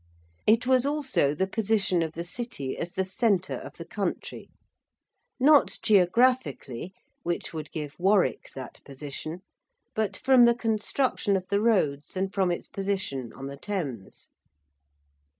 It was also the position of the City as the centre of the country; not geographically, which would give Warwick that position, but from the construction of the roads and from its position on the Thames.